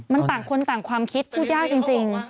มันต่างคนต่างความคิดพูดยากจริง